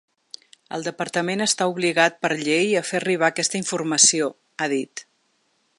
“El departament està obligat per llei a fer arribar aquesta informació”, ha dit.